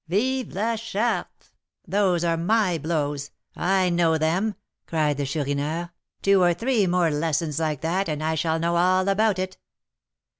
"Vive la Charte! those are my blows, I know them," cried the Chourineur; "two or three more lessons like that, and I shall know all about it."